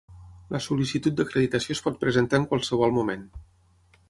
La sol·licitud d'acreditació es pot presentar en qualsevol moment.